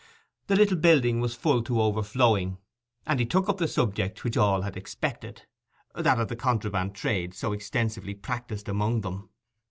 The little building was full to overflowing, and he took up the subject which all had expected, that of the contraband trade so extensively practised among them.